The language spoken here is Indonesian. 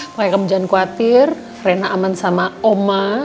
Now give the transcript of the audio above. saya kemudian khawatir rena aman sama oma